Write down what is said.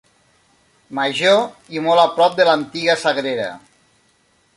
Major i molt a prop de l'antiga sagrera.